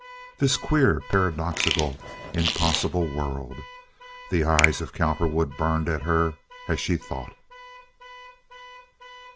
This queer, paradoxical, impossible world! The eyes of Cowperwood burned at her as she thought.